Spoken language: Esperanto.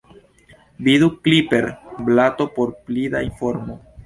Vidu "Clipper"-blato por pli da informo.